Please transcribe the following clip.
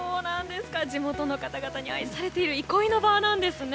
地元の方々に愛されている憩いの場なんですね。